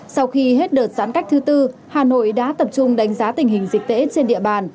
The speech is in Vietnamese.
sau khi hết đợt giãn cách thứ tư hà nội đã tập trung đánh giá tình hình dịch tễ trên địa bàn